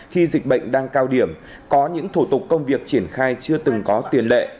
khi dịch bệnh đang cao điểm có những thủ tục công việc triển khai chưa từng có tiền lệ